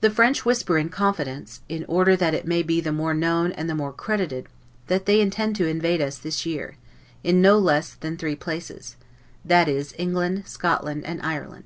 The French whisper in confidence, in order that it may be the more known and the more credited, that they intend to invade us this year, in no less than three places; that is England, Scotland, and Ireland.